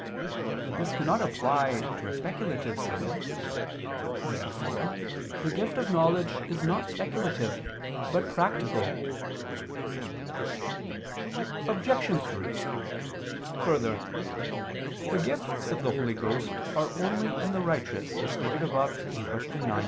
But this cannot apply to a speculative science. Therefore the gift of knowledge is not speculative but practical. Obj. 3: Further, the gifts of the Holy Ghost are only in the righteous, as stated above (Q. 9, A.